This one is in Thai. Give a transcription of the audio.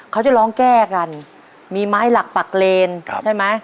เขาจะร้องแก้กันมีไม้หลักปักเลนใช่ไหม